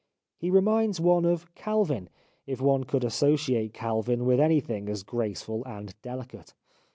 He reminds one of Calvin, if one could associate Calvin with any thing that is graceful and delicate.